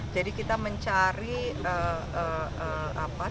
jadi kita mencari tipe tipe pembiayaan